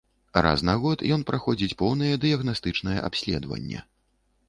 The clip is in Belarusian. Раз на год ён праходзіць поўнае дыягнастычнае абследаванне.